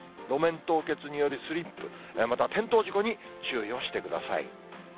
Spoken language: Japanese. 路面凍結によるスリップ、また転倒事故に注意をしてください。